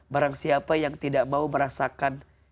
barangsiapa yang tidak mau merasakan